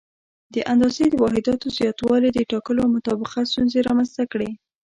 د اندازې د واحداتو زیاتوالي د ټاکلو او مطابقت ستونزې رامنځته کړې.